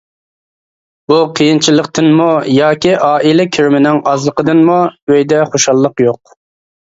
بۇ قىيىنچىلىقتىنمۇ ياكى ئائىلە كىرىمىنىڭ ئازلىقىدىنمۇ، ئۆيدە خۇشاللىق يوق.